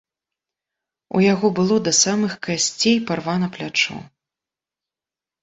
У яго было да самых касцей парвана плячо.